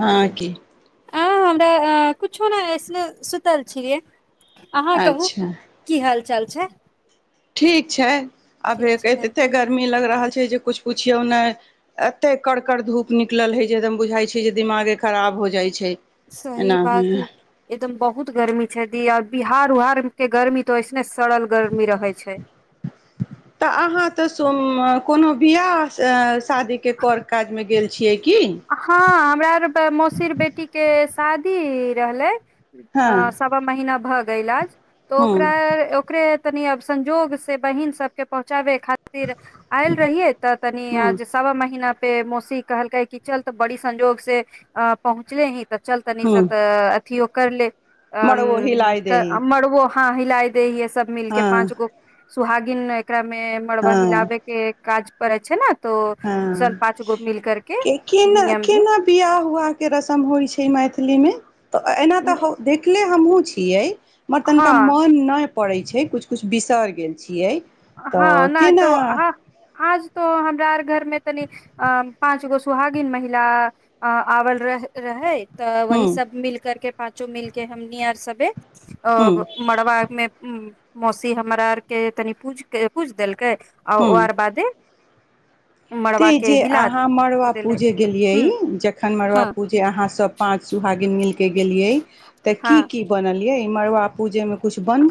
हॅ की हँ बै हमरा कुछो ने ऐसने सुतल छियै अहाँ कहु अच्छा की हाल चल छै ठीक छै अभ ठीक छै एते गर्मी लग रहल छै जे कुछ पुछियौ ने एते करड़कड़ धूप निकलल हे जे एकदम बुझाय छै जे दिमागे खराब हो जाय छै सही एनामे बात है एकदम बहुत गर्मी छै दी अभी हार उहार के गर्मी त ऐस ने सड़ल गर्मी रहै छै तऽ अहाँ तऽ सोम कोनो बियाह शादी के कर काज मे गेल छियै की हँ हमरा आरके तऽ मौसीर बेटीक शादी रहलै हँ अ सवा महीना भ गैला आज तऽ हँ ओकरा ओकरे तनी अब संजोग से बहिन सबके पहुँचाबै खातिर तर आयल रहियै तऽ तनी हँ आ सवा महीना फेर मौसी कहलक क चल तऽ बड़ी संजोग से अ पहुँचले ही तऽ चलतनि हँ सब तऽ अथ कर ले मड़बो हिलाइ दही ह मड़बो हँ हिलाइ दे ह सब मिलके हँ पाँच गो सुहागीन नै एकरा मे मड़वा हँ हिलाबे के काज परै छै ने तो सब हँ पाँच गो मिल करके के केना नियम भी केना बियाह उआह के रसम होइ छै मै थिलीमे तऽ एना तऽ देखले हमहुँ छियै मर तनिका हँ मन नहि पड़ै छै कुछ कुछ बिसरि गेल छियै तऽ हँ न केना तो हँ आज तो हमरा आर घर में तनी अ पाँच गो सुहागिन महिला अ आवल रह रहै तऽ वहि ह्म सब मिल करके पाँचो मिल के हमनी आर सबे ह्म अ मड़बा मे उ मौसी हमरा आर के तनि पूज किछ देल कै आ ह्म ओर बादे मड़बा ते के जे हिला अहाँ मड़बा देले पूजे ह गेलियै जखन मड़बा हँ पूजे अहाँ सभ पाँच सुहागिन मिलके के गेलियै तऽ हँ की की बनल यै मरबा पूजे मे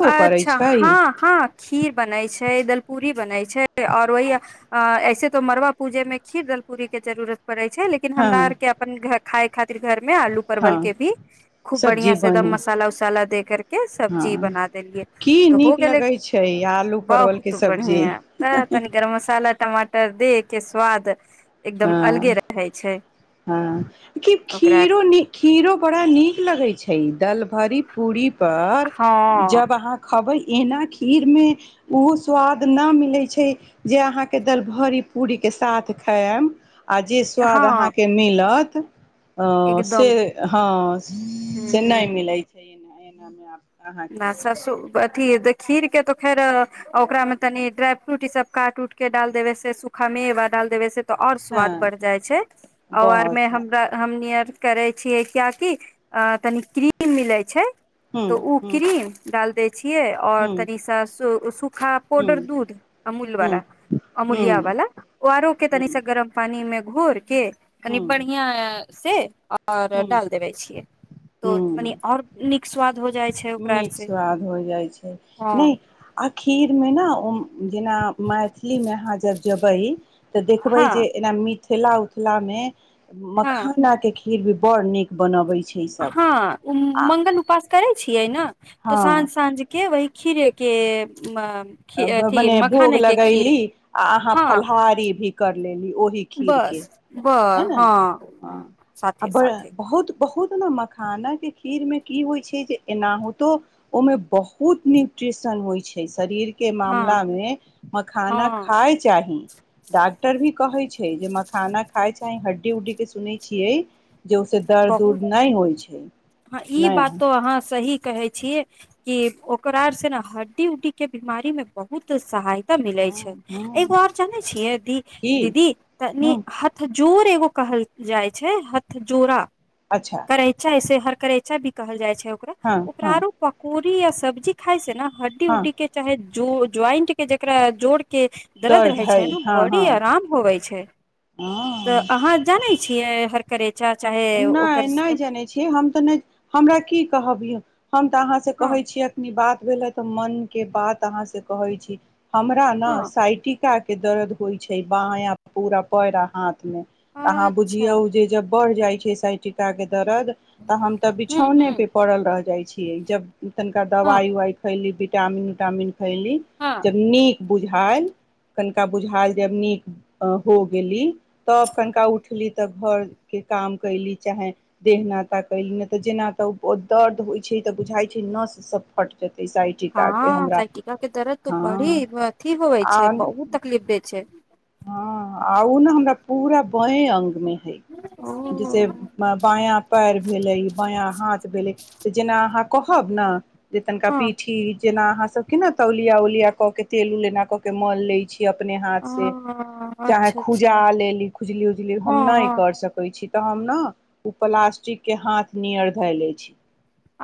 अच्छा हँ हँ खीर बनैत छै दलपूरी बनैत छै आओर वह अऐे तो मरबा पूजे में खीर दलपूरी के जरुरत पड़े छै लेकिन हँ हमरा आर के अपन खाय खातिर घर में आलू हँ परवल के भी खूब बढ़िया सब्जी से बन एकदम मसाला उसाला दे के सब्जी हँ बना देलियै की त हो नीक गेलै लगै छै आलू परवल के बहुत सब्जी बढ़िया तऽ तनी गरम मसाला टमाटर टर दे के स्वद एकदम हँ अलगे रहै छै हँ क ओकरा खीरो न खीरो बड़ा नीक लगे छै दालि भारी पूरी पर हँ जब अहााँ खबे एना खीरमे ओहो स्वाद नहि मिलै छै जे अहाँके दाल भरी पूरीके साथ खायब आ जे स्वाद अहा हँ मिलत से एकदम हँ हूँ से नहि मिले छैना मम्मीया आ ससु अथी खीरके तऽ फेर ओकरामे तनि ड्राइ फ्रूट ई सब काट उटके डाल देबै से सूखामेवा डाल देबै से त और स्वाद हँ बढ़ जाइ छै औ आर बहुत सा मे करे छीियै कियाकि अ तनी क्रीम मिलै छै हू किरीम डाल द औरनि सा हूँ पाडर दूध अमूल हूँ व अमूलिया हूँ वाला आर के तनि हूँ गरम पानी मे घोर के कनी हूँ बढ़िआ से आऔर हूँ डाल देबे छियै तो मनी हूँ और निक स्वाद हो जाए नीक स्वाद हो जाइ छै हँ नहि आ खीर मे ने ओ जेना मैथिलीमे अहाँ जब जेबै तऽ देखबै हँ जे एना मि थेला उथामे हँ मखानाे खीर भी बड़ नीक बनबै छै ईसभ हँ आ मंगल उपास करे छियै ने तऽ साँझ हँ साँझ के वहि खीरेके अ मने भोग लगैली आ अहाँ हँ फलाहारी भी कर लेली ओहि खीरके बस ब है ने हँ आ साथे बड़ साथे बहुत बहुत ने मखाना के खीर में की होइ छै जे एनाहितो ओमे बहुत न्यूट्रिशन होइ छै शरीर के के हँ मामलामे मखाना हँ खाय चाही डॉक्टर भी कहै छै जे मखाना खाय चाह हड्डी उड्डी के सुनै छियै जे ओहिस दर्द बहुत उर्द नहि होइ छै नहि कहे छीयै कि ओकरा से ने हड्डी उड्डी के बीमारी में बहुत सहाय त मिलै छै हँ हँ एगो आर जानै छियै दी की दीदी तनी हँ हथ जोड़ एगो कहल जाय छै हथ जोड़ा अच्छा करै छै से हर करैचा भी कहल जाइ छै है ओकरा हँ ओकरा हँ आरो पकोड़ प्री य सब्जी खाइ से ने हड्डी हँ उड्डी के चाहे जोड़ ज्वाइंट के जेकरा जोड़ के दर्द रहै छै हइ ने हँ बॉडी हँ आराम होवै छै हँ तऽ अहाँ जानै छियै हर करैत अचा चाहे ओ नहि नहि जै छी हम त नै हमरा की कहब बभीए हम तऽ अहाँ से हँ कहै छीयै अखनी बात भेले तऽ मन के बात अहाँ से कहै छी हमरा ने हँ साइटि हिनका आर के दर्द होइ छै बायय पूरा पैर हाथ तऽ अहाँ अच्छा बुझियौ जे जब बढ़ जाइ छै साइटीका कें दर्द तऽ हम तऽ हूँ बिछौने हूँ पे पड़ल रह जाय छी जब तनिका हँ दवाइ उवाइ खैली टामिन बिटामिन खैली हँ जब नीक बुझायल कनिका बुझायल जब नीक हो गेली तब कनिका उठली तऽ घरके काम कयली चाहे देह नताा कयली ने तऽ जेना तऽ दर्द होइ छै तऽ बुझाय छै नस सब फट जेते हँ साइकिका के दरद तऽ हँ बड़ीअथी होइ आ छै बहुत तकलीफ दय छै हँ आ ओ ने हमरा पूरा बांय अंगमे ओ से बांया पैर भेलय बयां हाथ भेलय जेना अहाँ कहब न जे तनिका हँ पीठी जेना अहाँ सब के न ने तौलिया उलिया क के तेल उ लऐना क के मल ले छी के अपने हाथ से हँ चाहे अच्छा अच्छा खूजा लेली खुजली उजली हम हँ नहि हँ कर सकैत छी तऽ हम ने ओ प्लास्टिक के हाथ नियर धै ले छी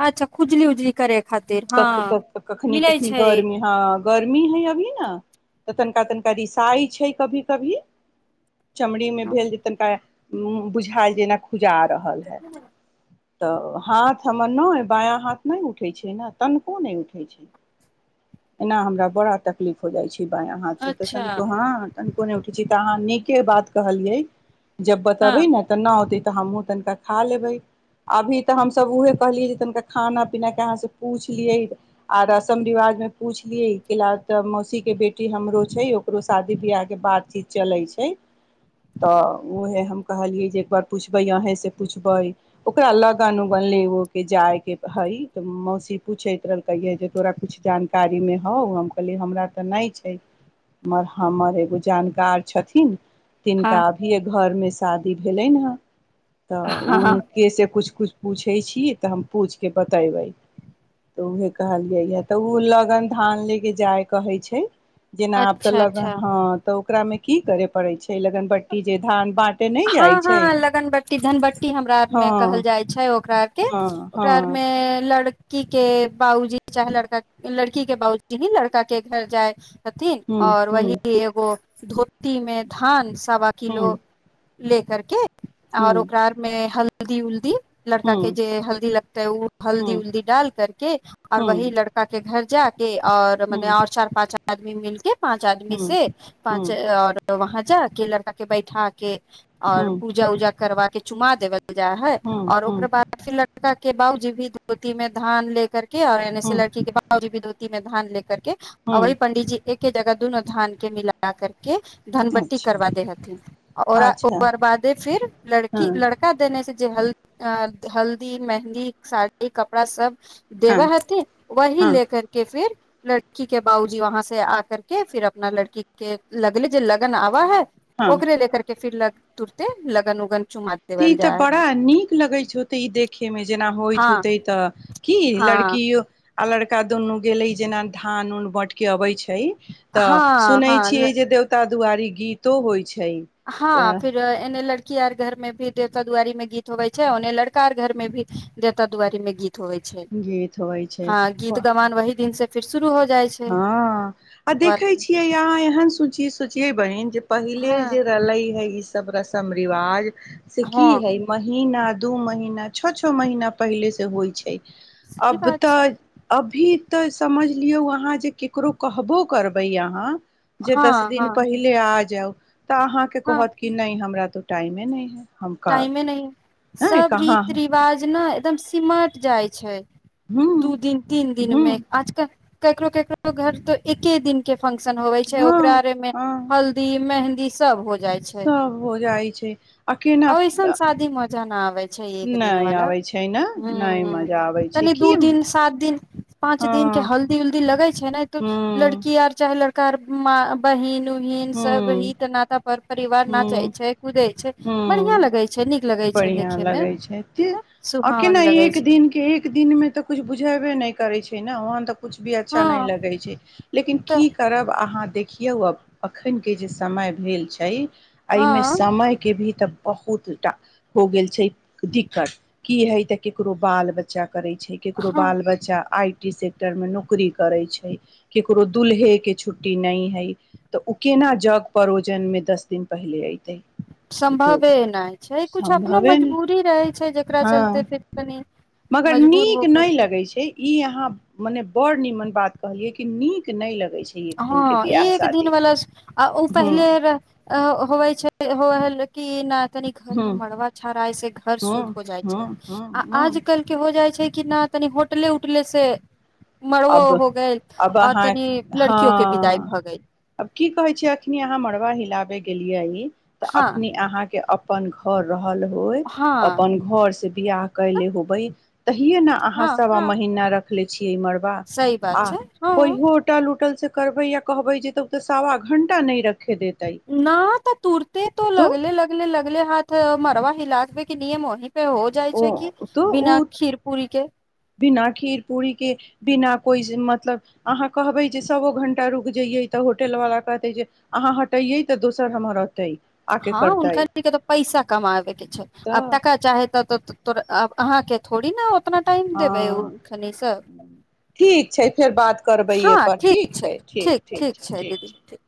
अच्छा खुजली उजली करे खातिर हँ कखनी मिलै कखनी छै गर्मी हँ गर्मी है अभी न तऽ तनका तनिका रिसाइ छै कभी कभी चमड़ी मे भेल जेतनिका हुँ बुझायल जेना जा रहल है तऽ हाथ हमर नहि बायाँ हाथ नहि उठैत छै ने तनिको नहि उठैत छै एना हमरा बड़ा तकलीफ हो जाइत छै कि बांया हा से तऽ अच्छा तननको हँ कोन उचित अहाँ नीके बात कहलियै जब हँ बतबै ने तऽ न होते तऽ हमहु तनिका खा लेबे अभी तऽ हमस उहे कहलियै जे तनिका खाना पीना के अहाँ से पूछलियै आ रसम रिवाज में पूछलियै क ल त मौसी के बेटी हमरो छै ओकरो शादी बियाह बातचीत चलै छै त उहे हम कहलिए जे एक बार अन्हि सँ पूछबै ओकरा लग्न उगन लय एगो जायके हइ त मौसी पूछत रहै तोरा जानकारी मे कुछ होउ हम कहलिए हमरा त मे नै छै मगर हमर एगो जानकार छथिन हँ तीनका अभी य घरमे शादी भेलै हन तऽ हँ उनके से कुछ कुछ पूछै छी तऽ हम पूछि क बतेबै तऽ उह कहलियै ह तऽ ओ लगन धान ले क जाय कहै छै जेना आब तऽ अच्छा लग अच्छा हँ त ओकरा मे की करे पड़ै छै लगनबट्टी जे धान बाँटे नहि जाइ हँ छै हँ लगनबट्टी धनबट्टी हमरा आर मे कहल हँ जाइ छै ओकरा आर के हँ हँ ओकरा आरमे लड़ लड़की के बाबूजी चाहे लड़का लड़की के बाबुजी ही लड़का के घर जाय छथिन हूँ और वही हूँ एगो धोती मे धान सावा किलो हूँ लेकर के आओर हूँ ओकरा आरमे हल हल्दी उलदी लड़का हूँ के जे हल्दी लगतै उ हल्दी हूँ उल्दी डाल करके आऔर हूँ वही लड़का के घर जा के और मने हूँ हूँ आऔर चार पाँच आदमी मिल पाँच आदमी हूँ से पाँच और वहाँ जा के लड़का के बैठा के और हूँ पूजा उजा करबा के चुमा देबै जा है हूँ और हूँ ओकर बाद फिर लड के बाउजी भी धोती मे धान ले कर आ एने से हूँ लड़की के बाउजी धोती मे धान ले करके अभहि हूँ पंडित जी एक एके जगह दुूनू धान के मिला कर के धनबट्टी अच्छा करबा दै हथिन औरा अच्छा ओकर बादे फिर हँ लड़की लड़का देने से जे हल हल्दी मेहन्दी साड़ी कपड़ा सब देवा हँ हथ वह हँ ले करके फिर लड़की के बाउजी वहाँ से आ करके फिर अपना लड़की के लगल जे लगन आवा है हँ ओकरे ले करके फिर लर तुरते लगन उगन तऽ ई तऽ जाय है बड़ा नीक लगैत छै होते ई देखयमे जेना होइत हँ होते तऽ क हँ लड़किय आ लड़का दुनू गेले जेना धान न बाँट के अबे छै तऽ हँ सुनै हँ छियै जे देवता दु्वाररी गीतो होइ छै हँ फिर एने लड़की यार घरमे भी देवता दुआरीं गीत होवे छै ऑने लड़का र घर मे भीवता दुआरी में गीत होइ छै गीत होइ छै हँ गीत गवान आहि दिन से फर शुर हो जाइ छै हँ आ वर देखै छियै अहाँ एहन सुची ए बनिन जे पहिले हँ जे रई है सभ रसम रिवाज से की हँ है महीना दू महीना छओ छओ महीना पहिले से होइ छै सही अब बात छै तऽ अभी तऽ समझलियो हुआ अहाँ जे केकरो कहबो करबै अहाँ जे हँ दस हँ दिन पहिले आज जाउ तऽ अहाँके हँ कहत कि नहि हमरा त टाइममे नहि है हम कब टाइमे नहि नहि सभ कहाँ रीति रिवाज ने एकदम सिमारट जाय छै हूँ दू दिन तीन हूँ दिनमे आजकल केकरो केकरो घर तो एके दिन के फ़ंक्शन हो छै ओकरा हँ मे जल्दी मेंहदी मे ई सब होत सभ हो जाइ छै आ केना ऐसन शादी मजा न आबै छै एक दिन नहि वाला आबै छै ने ह नहि मजा ह आबै छै तनि दू की दिन सात दिन पाँच दिन के हँ हल्दी उल्दी लगै छै ने त हूँ लड़की आर चाहे कर म बहिन हीन सभ हूँ हित नात पर परिवार नाचै छै कुदै छै बढ़िया ह लगै छै नीक लगै छै बढ़िया देखे मे लगै छै तऽ आ सुहावन केना लगै एक छै दिन के एक दिन मे तऽ कछु बुझेबे नहि करै छै ने वहाँ तऽ कछ भी अच्छा हँ नै लगै छै लेकिन क तऽ कर अ किया हआ अखनके जे समय भेल छै हँ एहिमे समय के भी तब बहुतटा हो गेल छै दिक्कत की ह इ त ककरो बाल बच्चा करै छै केकरो हँ बाल बच्चा आइ सेक्टर मे नौकरी करै छै केकरो दुल्हे के छुट्टी नहि है तऽ ओ केना जग परोजन मे दस दिन पहिले अते सम्भवे नहि छै किछु अपनो सम्भवे नहि मजबूरी रहै छै जकरा हँ चलते फेर कनि मगर मजबूर नीक हो नहि करके लगैत छै इ आहा मने बड़ निमन बात कहलिये की नीक न लग हँ एक दिन बला ओ हूँ पहिले हो छै मतलब क न तनि घर मे हूँ मड़वा छड़ाइ से घर हूँ शुद्ध हो जाइ छै हूँ हूँ आ हूँ आज कल के हो जाइ छै की नहि तनी होटल उठल से मरब हो गेल आ अहाँ तनी ह लड़की अब की कहे छै अखनी अहाँ मड़वा हिलाबे के लए आइए तऽ हँ अखनी अहाँके अपन घर रह रहलल होइत हँ अपन घर से बिआाह तऽ कले होबै तहिये ने अहाँ हँ सभ आ हँ महना रखले छीये इमर सही बात आ छै कोइ हँ होटल होटल से करबै या कहबै जे सवा घंटा नहि रत न तऽ तूरत तो लगल लगल लगल हाथ म लाजबे के नियम ओहि हो जाइ छै कि ओ तो ओ बिना खीर पूरी के बिना खीर पूरी के बिना कोइ मतलब अहाँ कहबै जे सओ घण्टा रुकि जइयै तऽ होटलवला कहतै जे अहाँ हटैयै तऽ दोसर हमर औतै आके हँ करतै हुनकर तऽ पैसा कमाबे के छै तऽ आब तका चाहे त त तोब अहाँके थोड़ी ने कतना टाइम देबै ओ हँ खनि सभ हँ ठीक छै ठीक ठीक छै दीदी ठीक